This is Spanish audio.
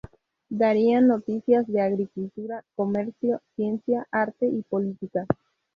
Darían noticias de agricultura, comercio, ciencia, arte y política.